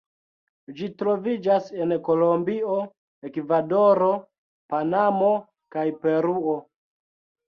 Ĝi troviĝas en Kolombio, Ekvadoro, Panamo, kaj Peruo.